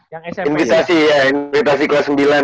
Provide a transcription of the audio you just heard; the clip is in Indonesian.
invitasi ya invitasi kelas sembilan